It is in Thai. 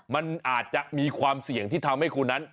มันอาจจะมีความเสี่ยงที่ทำให้คุณนั้น